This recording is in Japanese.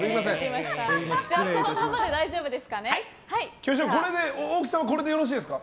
巨匠、大きさはこれでよろしいですか。